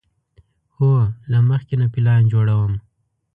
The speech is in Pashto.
هو، له مخکې نه پلان جوړوم